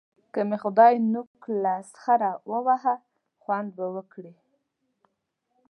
که مې خدای نوک له سخره وواهه؛ خوند به وکړي.